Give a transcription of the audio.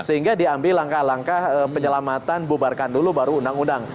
sehingga diambil langkah langkah penyelamatan bubarkan dulu baru undang undang